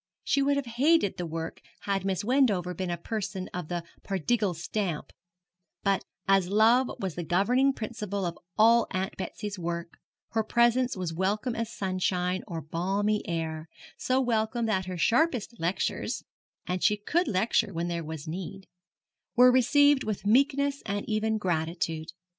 She would have hated the work had Miss Wendover been a person of the Pardiggle stamp; but as love was the governing principle of all Aunt Betsy's work, her presence was welcome as sunshine or balmy air; so welcome that her sharpest lectures (and she could lecture when there was need) were received with meekness and even gratitude.